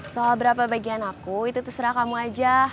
soal berapa bagian aku itu terserah kamu aja